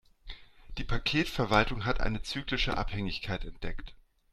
Die Paketverwaltung hat eine zyklische Abhängigkeit entdeckt.